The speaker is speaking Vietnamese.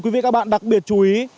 quý vị các bạn đặc biệt chú ý